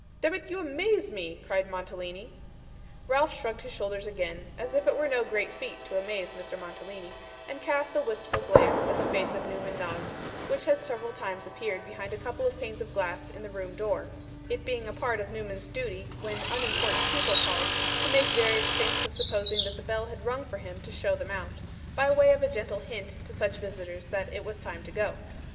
'Demmit, you amaze me,' cried Mantalini. Ralph shrugged his shoulders again, as if it were no great feat to amaze Mr. Mantalini, and cast a wistful glance at the face of Newman Noggs, which had several times appeared behind a couple of panes of glass in the room door; it being a part of Newman's duty, when unimportant people called, to make various feints of supposing that the bell had rung for him to show them out: by way of a gentle hint to such visitors that it was time to go.